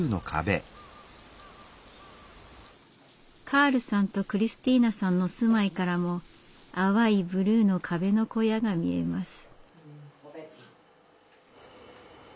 カールさんとクリスティーナさんの住まいからも淡いブルーの壁の小屋が見えます。